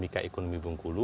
menyelesaikan ekonomi bung kulu